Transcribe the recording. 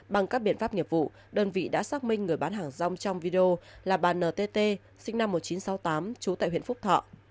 bằng các biện pháp nghiệp vụ đơn vị đã xác minh người bán hàng rong trong video là bà ntt sinh năm một nghìn chín trăm sáu mươi tám trú tại huyện phúc thọ